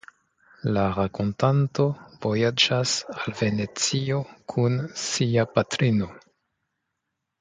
La rakontanto vojaĝas al Venecio kun sia patrino.